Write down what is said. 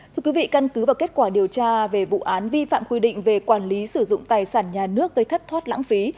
thưa quý vị căn cứ vào kết quả điều tra về vụ án vi phạm quy định về quản lý sử dụng tài sản nhà nước gây thất thoát lãng phí